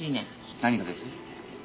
何がです？